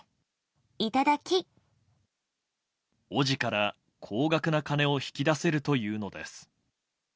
おぢから高額な金を引き出せるというのです。